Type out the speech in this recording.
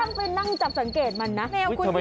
มันร้องเป็นเวลาสองนาทีอ้าว